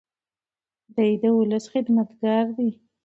دی د ولس خدمتګار دی.